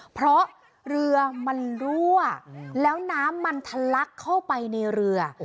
เพราะเรือมันรั่วแล้วน้ำมันทะลักเข้าไปในเรือ